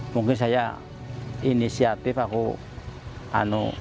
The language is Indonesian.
mungkin saya inisiatif aku